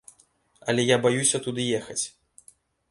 Але я баюся туды ехаць.